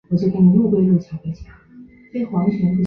武藏野台地北部的河岸段丘可能是昔日多摩川的流路。